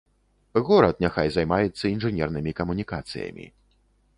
Горад няхай займаецца інжынернымі камунікацыямі.